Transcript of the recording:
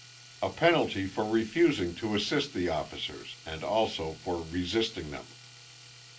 "A penalty for refusing to assist the officers, and also for resisting them."